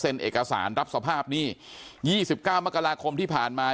เซ็นเอกสารรับสภาพหนี้ยี่สิบเก้ามกราคมที่ผ่านมา